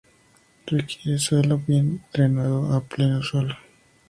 Requiere suelo bien drenado a pleno sol.